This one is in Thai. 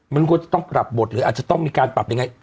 มันก็ต้องปรับบทหรืออาจจะต้องมีการปรับ๘๐